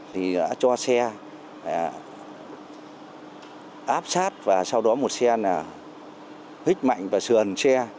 thì đã cho xe áp sát và sau đó một xe hích mạnh và sườn xe